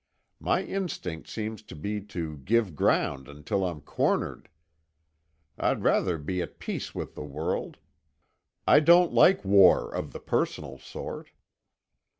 My instinct seems to be to give ground until I'm cornered. I'd rather be at peace with the world. I don't like war of the personal sort."